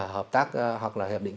hợp tác hoặc là hiệp định